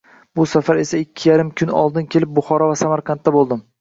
Bu safar esa ikki yarim kun oldin kelib, Buxoro va Samarqandda boʻldim.